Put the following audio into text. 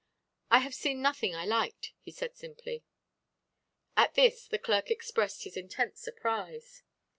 "I have seen nothing I liked," he said simply. At this the clerk expressed his intense surprise.